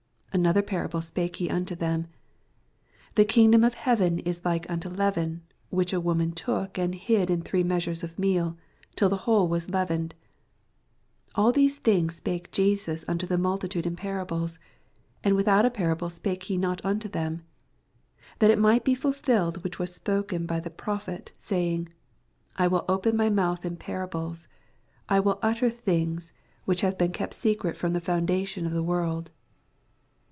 88 Another parable siMke he anto them : The kingdom of neavon is like onto leaven, w'ach a woman took, and hid in t^^^ee measares of meal, till the whole was leavened. 84 All these things spake Jetas onto the multitude in parables ; and without a parable spake he not onto them: 85 That it miffht be fiilfllled which was spoken by tne prophet, saying, I will open m)r mouth in parables ; I will utter things which have been kept secret firom the foandatioa of the world.